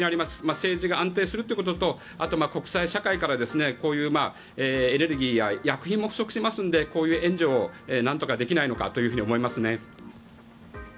政治が安定するということとあと国際社会からエネルギーや薬品も不足しますのでこういう援助をなんとかできないのかと思いますね。